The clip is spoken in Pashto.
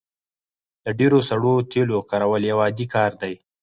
د ډیرو سړو تیلو کارول یو عادي کار دی